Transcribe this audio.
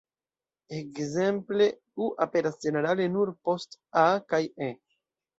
Ekzemple "ŭ" aperas ĝenerale nur post "a" kaj "e".